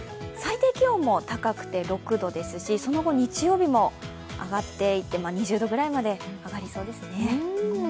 最低気温も高くて６度ですしその後、日曜日も上がっていって２０度くらいまで上がりそうですね。